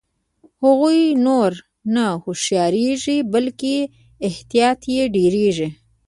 هغوی نور نه هوښیاریږي بلکې احتیاط یې ډیریږي.